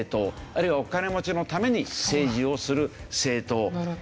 あるいはお金持ちのために政治をする政党。